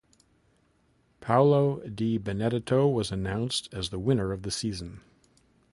Paola Di Benedetto was announced as the winner of the season.